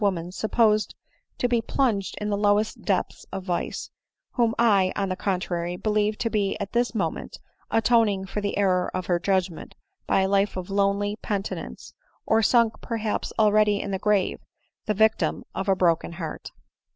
woman supposed to be plunged in the lowest depths of vice, whom I, on the contrary, believe to be at this moment atoning for the error of her judgment by a life of lonely penitence, or sunk perhaps already in the grave, the vic tim of a broken heart."